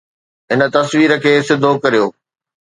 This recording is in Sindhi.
هن تصوير کي سڌو ڪريو